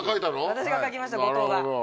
私が描きました五島が。